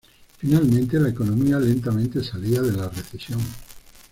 Finalmente, la economía lentamente salía de la recesión.